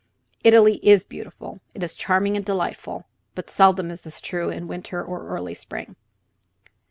Italy is beautiful; it is charming and delightful; but seldom is this true in winter or early spring.